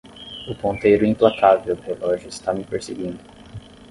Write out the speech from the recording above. O ponteiro implacável do relógio está me perseguindo